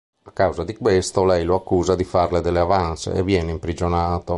A causa di questo, lei lo accusa di farle delle avances e viene imprigionato.